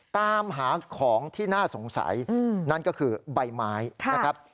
ตามหาของที่น่าสงสัยนั่นก็คือใบไม้นะครับ